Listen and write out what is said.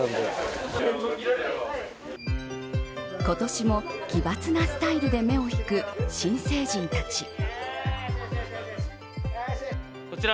今年も奇抜なスタイルで目を引く新成人たち。